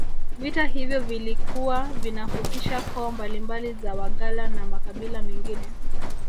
Vita hivyo vilikuwa vinahusisha koo mbalimbali za Wagala na makabila mengine